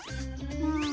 うん。